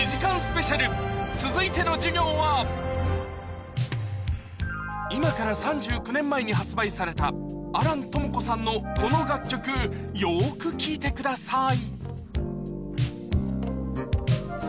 続いての授業は今から３９年前に発売された亜蘭知子さんのこの楽曲よく聴いてください